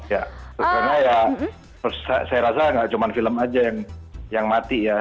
karena ya saya rasa nggak cuma film aja yang mati ya